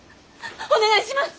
お願いします！